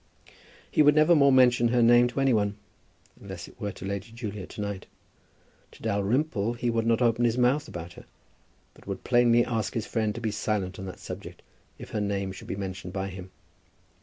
He would never more mention her name to any one, unless it were to Lady Julia to night. To Dalrymple he would not open his mouth about her, but would plainly ask his friend to be silent on that subject if her name should be mentioned by him.